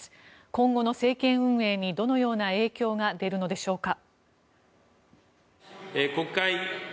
今後の政権運営にどのような影響が出るのでしょうか。